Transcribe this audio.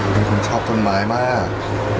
เป็นคนชอบต้นไม้มาก